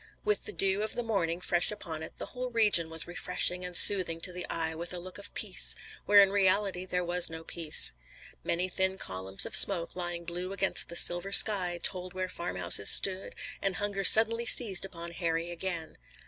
With the dew of the morning fresh upon it the whole region was refreshing and soothing to the eye with a look of peace, where in reality there was no peace. Many thin columns of smoke lying blue against the silver sky told where farmhouses stood, and hunger suddenly seized upon Harry again.